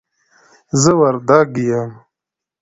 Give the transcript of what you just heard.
زه وردګ یم